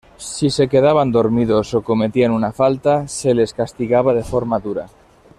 Si se quedaban dormidos o cometían una falta, se les castigaba de forma dura.